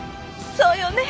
そうよね。